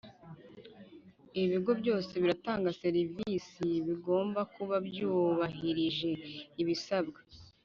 Ibigo byose bitanga serivisi bigomba kuba byubahirije ibisabwa